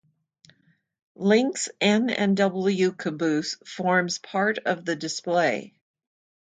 Link's N and W caboose forms part of the display.